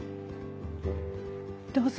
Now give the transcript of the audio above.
どうぞ。